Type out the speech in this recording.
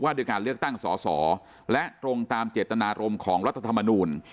ด้วยการเลือกตั้งสอสอและตรงตามเจตนารมณ์ของรัฐธรรมนูล